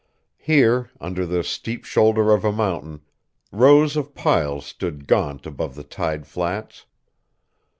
Here, under the steep shoulder of a mountain, rows of piles stood gaunt above the tide flats.